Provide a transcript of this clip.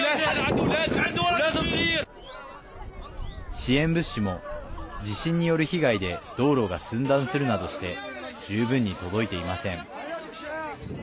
支援物資も地震による被害で道路が寸断するなどして十分に届いていません。